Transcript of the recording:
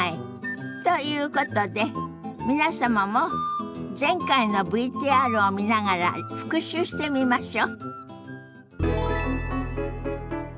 ということで皆様も前回のＶＴＲを見ながら復習してみましょ。